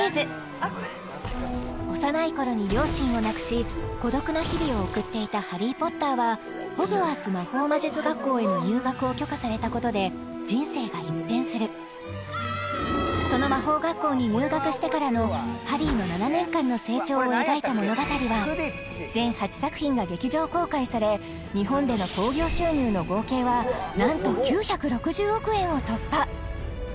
幼い頃に両親を亡くし孤独な日々を送っていたハリー・ポッターはホグワーツ魔法魔術学校への入学を許可されたことで人生が一変するその魔法学校に入学してからのハリーの７年間の成長を描いた物語は全８作品が劇場公開され日本での興行収入の合計はなんと９６０億円を突破！